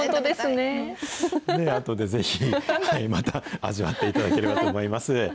あとでぜひ、また味わっていただければと思います。